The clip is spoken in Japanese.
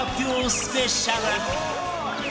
スペシャル